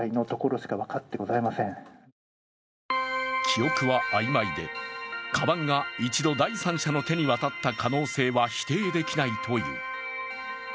記憶は曖昧で、かばんが一度第三者の手に渡った可能性は否定できないという。